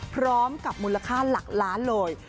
พร้อมกับมูลค่าหลักล้านเลย